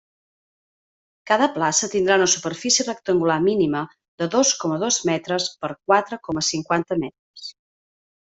Cada plaça tindrà una superfície rectangular mínima de dos coma dos metres per quatre coma cinquanta metres.